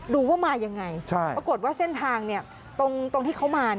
ดูว่ามายังไงปรากฏว่าเส้นทางตรงที่เขามา